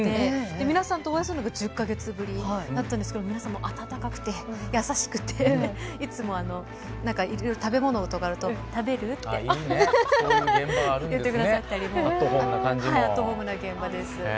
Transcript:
皆さんとお会いするのが１０か月ぶりだったんですけど皆さん、温かくて優しくて食べ物とかあると、食べる？と言ってくださったりアットホームな現場です。